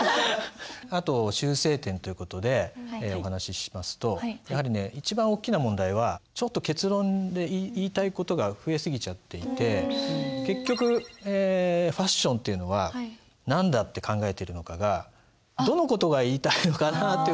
あと修正点という事でお話ししますとやはりね一番大きな問題はちょっと結論で言いたい事が増え過ぎちゃっていて結局ファッションっていうのは何だって考えてるのかがどの事が言いたいのかなっていうのが。